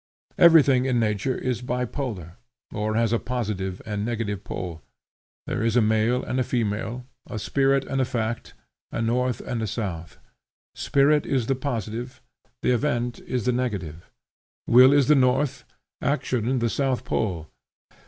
Everything in nature is bipolar, or has a positive and negative pole. There is a male and a female, a spirit and a fact, a north and a south. Spirit is the positive, the event is the negative. Will is the north, action the south pole.